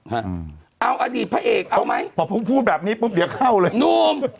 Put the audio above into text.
ฮะเอาอดีตพระเอกเอาไหมพอผมพูดแบบนี้ปุ๊บเดี๋ยวเข้าเลยนุ่ม